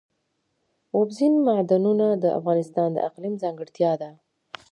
اوبزین معدنونه د افغانستان د اقلیم ځانګړتیا ده.